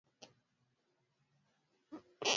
viazi lishe husaidia watu wasizeeke haraka